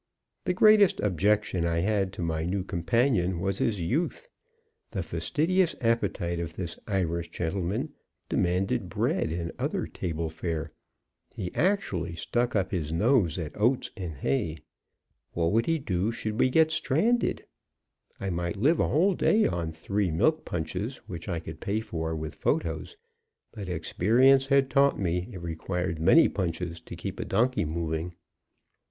The greatest objection I had to my new companion was his youth. The fastidious appetite of this Irish gentleman demanded bread, and other table fare; he actually stuck up his nose at oats and hay. What would he do should we get stranded! I might live a whole day on three milk punches which I could pay for with photos, but experience had taught me it required many punches to keep a donkey moving.